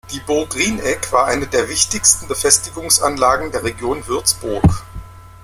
Die Burg Rieneck war eine der wichtigsten Befestigungsanlagen der Region Würzburg.